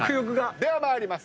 では参ります。